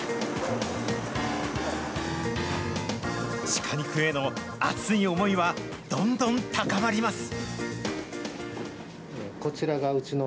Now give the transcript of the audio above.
シカ肉への熱い思いはどんどん高まります。